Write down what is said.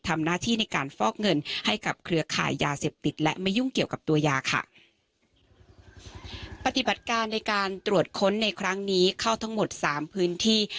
ทำหน้าที่ในการฟอกเงินให้กับเครือขายยาเสพติดและไม่ยุ่งเกี่ยวกับตัวยาค่ะปฏิบัติการในการตรวจค้นในครั้งนี้เข้าทั้งหมดสามพื้นที่